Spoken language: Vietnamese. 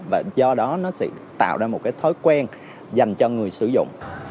và do đó nó sẽ tạo ra một cái thói quen dành cho người sử dụng